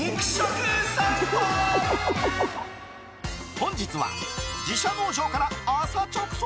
本日は、自社農場から朝直送！